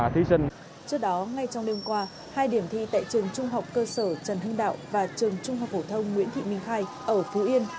trước đó ngay trong đêm qua hai điểm thi tại trường trung học cơ sở trần hưng đạo và trường trung học phổ thông nguyễn thị minh khai ở phú yên